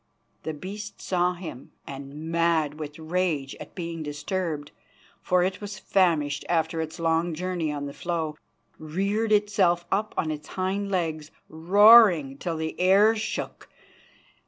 The beast saw him, and, mad with rage at being disturbed, for it was famished after its long journey on the floe, reared itself up on its hind legs, roaring till the air shook.